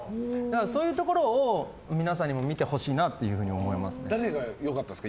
そういうところを皆さんにも見てほしいなと誰が良かったですか？